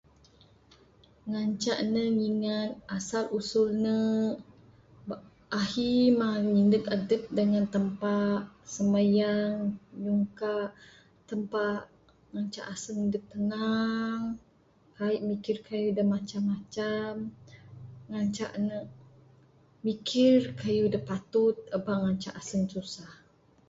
Ngancak ne ngingat asal usul ne ahi mah nyindek adep dengan Tampa simayang nyungka Tampa ngancak aseng dep tenang kai mikir keyuh dak macam macam ngancak ne mikir keyuh dak patut eba ngancak aseng susah.